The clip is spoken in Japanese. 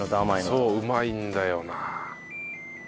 そううまいんだよなあ。